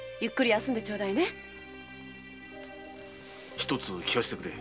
一つ聞かせてくれ。